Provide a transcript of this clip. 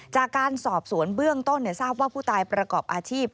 จากการสอบสวนเบื้องต้นทราบว่าผู้ตายประกอบอาชีพ